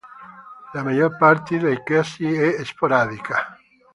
La maggior parte dei casi è sporadica.